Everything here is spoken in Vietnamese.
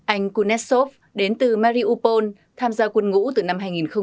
anh kuneshov đến từ mariupol tham gia quân ngũ từ năm hai nghìn một mươi năm